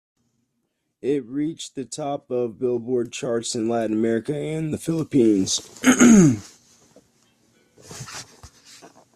It reached the top of Billboard charts in Latin America and the Philippines.